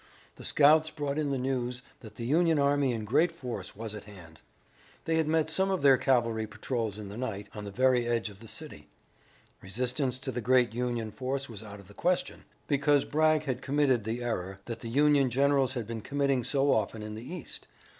The scouts brought in the news that the Union army in great force was at hand. They had met some of their cavalry patrols in the night, on the very edge of the city. Resistance to the great Union force was out of the question, because Bragg had committed the error that the Union generals had been committing so often in the east.